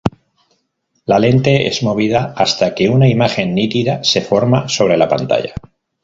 La lente es movida hasta que una imagen nítida se forma sobre la pantalla.